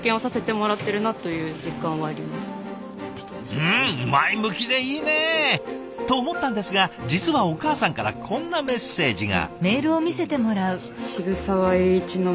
うん前向きでいいね！と思ったんですが実はお母さんからこんなメッセージが。